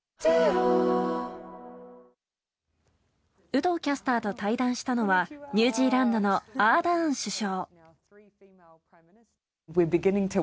有働キャスターと対談したのはニュージーランドのアーダーン首相。